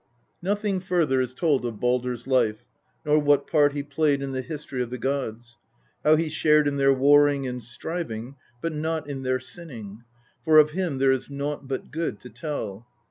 Nothing further is told of Baldr's life, nor what part he played in the history of the gods; how he shared in their warring and striving, but not in their sinning ; for of him " there is nought but good to tell."